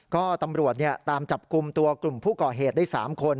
ก็ตำรวจตามจับกลุ่มตัวกลุ่มผู้ก่อเหตุได้๓คน